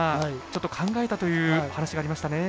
ちょっと考えたという話がありましたね。